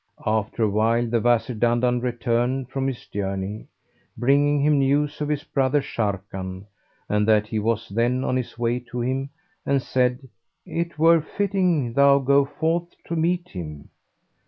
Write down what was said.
After a while, the Wazir Dandan returned from his journey, bringing him news of his brother Sharrkan and that he was then on his way to him, and said, "It were fitting thou go forth to meet him."